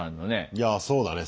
いやそうだね。